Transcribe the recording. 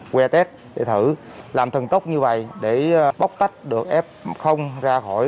qua test để thử làm thần tốc như vầy để bóc tách được f ra khỏi